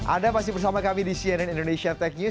anda masih bersama kami di cnn indonesia tech news